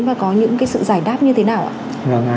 và có những cái sự giải đáp như thế nào ạ